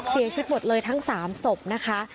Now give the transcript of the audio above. เสียชีวิตหมดเลยทั้ง๓ศพนะคะ